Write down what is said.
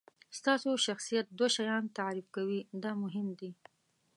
ستاسو شخصیت دوه شیان تعریف کوي دا مهم دي.